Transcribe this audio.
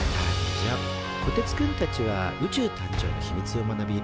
こてつくんたちは宇宙誕生の秘密を学び